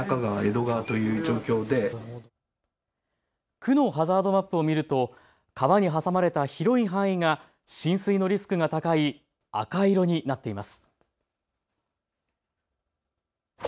区のハザードマップを見ると川に挟まれた広い範囲が浸水のリスクが高い赤色になっています。